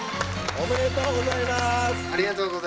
ありがとうございます。